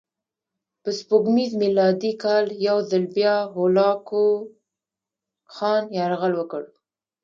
په سپوږمیز میلادي کال یو ځل بیا هولاکوخان یرغل وکړ.